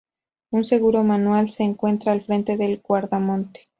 Un seguro manual se encuentra al frente del guardamonte.